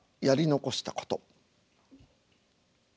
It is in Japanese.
やり残したこと。